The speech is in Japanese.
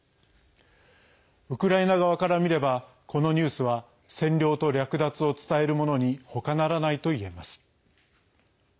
ウクライナ側からみればこのニュースは占領と略奪を伝えるものにほかならないといえます。